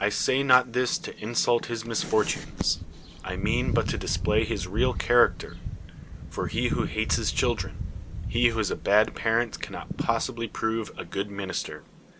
1 say not this to insult his misfortunes; I mean but to display his real character: for he who hates his children, he who is a bad parent cannot possibly prove a good minister.